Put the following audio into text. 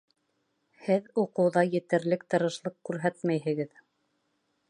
Һеҙ уҡыуҙа етерлек тырышлыҡ күрһәтмәйһегеҙ